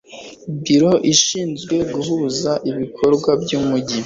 biro ishinzwe guhuza ibikorwa by'umujyi